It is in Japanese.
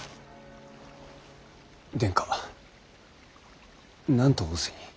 殿下何と仰せに？